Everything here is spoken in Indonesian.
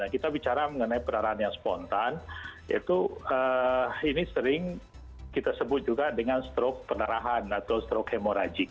kita bicara mengenai pendarahan yang spontan ini sering kita sebut juga dengan struk pendarahan atau struk hemorajik